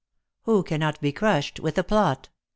Who cannot be crushed with a plot